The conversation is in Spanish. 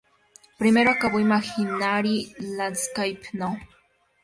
Primero acabó Imaginary Landscape No.